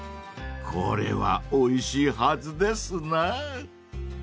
［これはおいしいはずですな］